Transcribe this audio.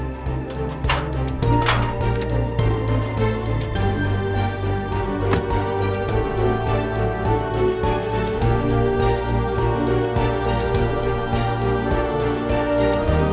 baik pak bos